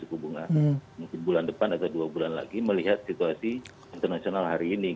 mungkin bulan depan atau dua bulan lagi melihat situasi internasional hari ini